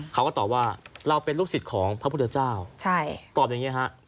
เขาก็ตอบว่าเราเป็นลูกศิษย์ของพระพุทธเจ้าตอบอย่างนี้ฮะ